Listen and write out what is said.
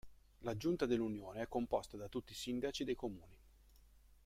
La Giunta dell'Unione è composta da tutti i sindaci dei comuni.